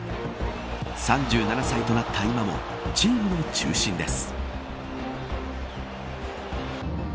３７歳となった今もチームの中心です。